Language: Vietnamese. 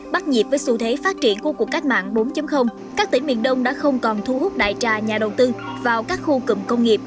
bắt nhịp với xu thế phát triển của cuộc cách mạng bốn các tỉnh miền đông đã không còn thu hút đại trà nhà đầu tư vào các khu cụm công nghiệp